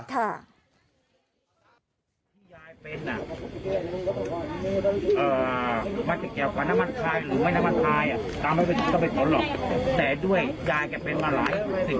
เตรียมเรื่องกักไม่อยู่กับผมเลย